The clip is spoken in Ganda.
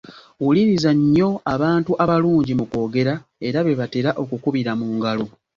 Wuliriza nnyo abantu abalungi mu kwogera era be batera okukubira mu ngalo.